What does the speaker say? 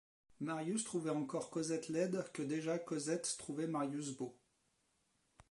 Marius trouvait encore Cosette laide que déjà Cosette trouvait Marius beau.